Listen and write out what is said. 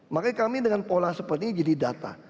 makanya kami dengan pola seperti ini jadi data